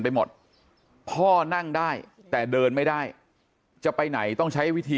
ไปหมดพ่อนั่งได้แต่เดินไม่ได้จะไปไหนต้องใช้วิธี